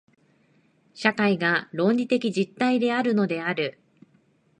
社会が倫理的実体であるのである。